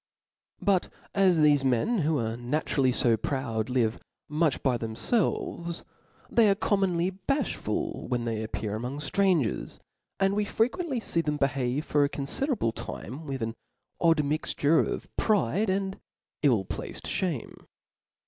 But as thefe men, who are naturally fo proud, live much by themfelves, they are commonly balh ful when they appear among ftrangers ; and we frequently fee them behave for a confiderable time with an odd mixture of pride and ill placed fhame.